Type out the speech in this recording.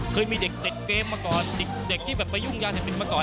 เคยมีเด็กติดเกมมาก่อนเด็กที่แบบไปยุ่งยาเสพติดมาก่อน